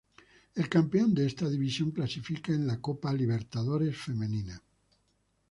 El campeón de esta división clasifica a la Copa Libertadores Femenina.